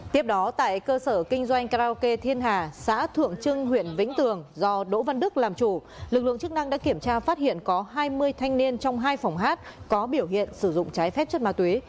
tiếp đó tại cơ sở kinh doanh karaoke thiên hà xã thượng trưng huyện vĩnh tường do đỗ văn đức làm chủ lực lượng chức năng đã kiểm tra phát hiện có hai mươi thanh niên trong hai phòng hát có biểu hiện sử dụng trái phép chất ma túy